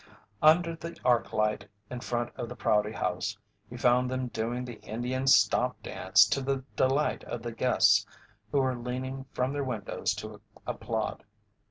Under the arc light in front of the Prouty House he found them doing the Indian "stomp" dance to the delight of the guests who were leaning from their windows to applaud.